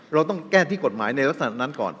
เราต้องแก้ที่กฎหมายในลักษณะนั้นก่อน